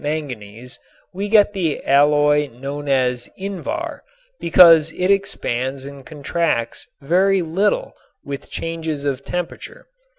manganese we get the alloy known as "invar," because it expands and contracts very little with changes of temperature.